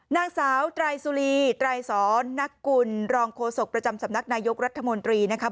นางสาวไตรสุรีไตรสอนนักกุลรองโฆษกประจำสำนักนายกรัฐมนตรีนะครับ